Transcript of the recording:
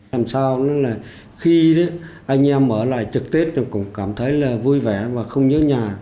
làm sao khi anh em ở lại trực tết cũng cảm thấy vui vẻ và không nhớ nhà